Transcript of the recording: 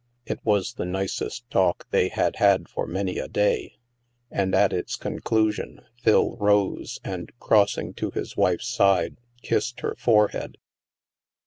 It was the nicest talk they had had for many a day. And, at its conclusion, Phil rose and crossing to his wife's side, kissed her forehead.